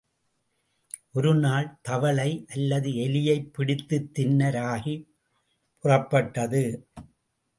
ஒரு நாள் தவளை அல்லது எலியைப் பிடித்துத் தின்ன ராகி புறப்பட்டது.